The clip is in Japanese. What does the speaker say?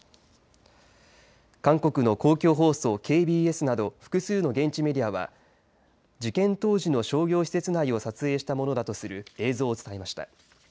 韓国の公共放送ＫＢＳなど複数の現地メディアは事件当時の商業施設内を撮影したものだとする映像を伝えました。